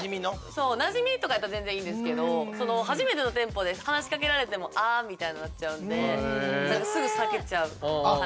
そうなじみとかやったら全然いいんですけど初めての店舗で話しかけられても「あ」みたいになっちゃうんですぐ避けちゃうかな。